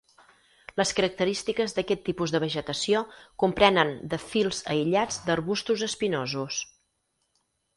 Les característiques d'aquest tipus de vegetació comprenen de fils aïllats d'arbustos espinosos.